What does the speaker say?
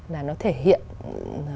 là nó thể hiện